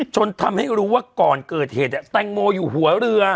จนทำให้รู้ว่าก่อนเกิดเหตุแตงโมอยู่หัวเรือ